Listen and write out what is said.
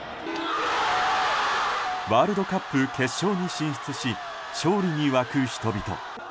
ワールドカップ決勝に進出し勝利に沸く人々。